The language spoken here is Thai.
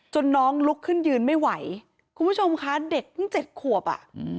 น้องลุกขึ้นยืนไม่ไหวคุณผู้ชมคะเด็กเพิ่งเจ็ดขวบอ่ะ